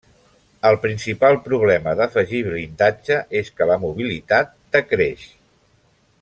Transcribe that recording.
El principal problema d'afegir blindatge és que la mobilitat decreix.